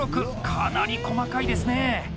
かなり細かいですね。